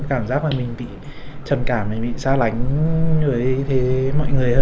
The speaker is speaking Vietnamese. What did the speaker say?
cảm giác là mình bị trầm cảm mình bị xa lánh với thế mọi người